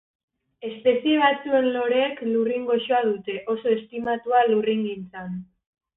Espezie batzuen loreek lurrin goxoa dute, oso estimatua lurringintzan.